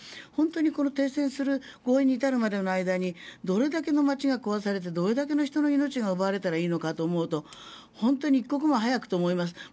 本当に停戦する合意に至るまでの間にどれだけの街が壊されてどれだけの人の命が奪われたらいいのかと思うと本当に一刻も早くと思います。